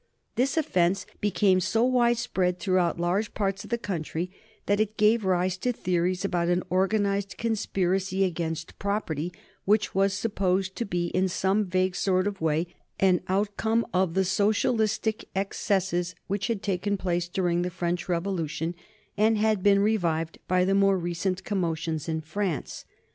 This offence became so widespread throughout large parts of the country that it gave rise to theories about an organized conspiracy against property which was supposed to be, in some vague sort of way, an outcome of the socialistic excesses which had taken place during the French Revolution and had been revived by the more recent commotions in France.